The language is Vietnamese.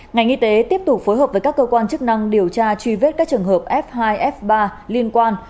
ngành y tế tiếp tục phối hợp với các cơ quan chức năng điều tra truy vết các trường hợp f hai f ba liên quan